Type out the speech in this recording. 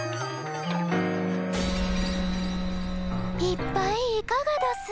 いっぱいいかがどす？